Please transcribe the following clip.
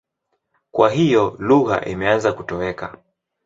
Kwa hiyo lugha imeanza kutoweka.